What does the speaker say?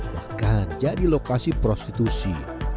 bahkan jadi lokasi prostitusi